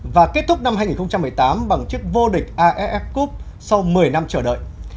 và kết thúc năm hai nghìn một mươi tám bằng chiếc vô địch aff cup sau một mươi năm chờ đợi